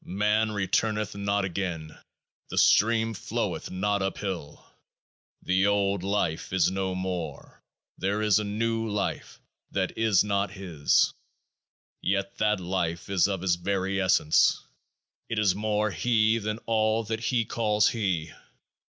Man returneth not again ; the stream floweth not uphill ; the old life is no more ; there is a new life that is not his. Yet that life is of his very essence ; it is more He than all that he calls He.